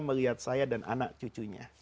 melihat saya dan anak cucunya